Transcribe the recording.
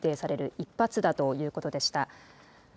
１発だということでした。